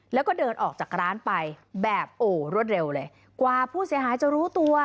แล้วก็เดินออกจากร้านไปแบบโอ้รวดเร็วเลยกว่าผู้เสียหายจะรู้ตัว